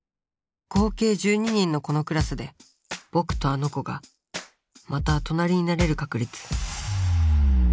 合計１２人のこのクラスでぼくとあの子がまた隣になれる確率。